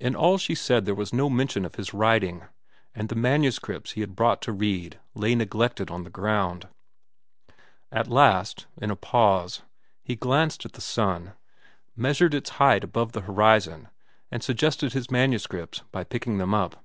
In all she said there was no mention of his writing, and the manuscripts he had brought to read lay neglected on the ground. At last, in a pause, he glanced at the sun, measured its height above the horizon, and suggested his manuscripts by picking them up.